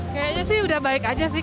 kayaknya sih udah baik aja sih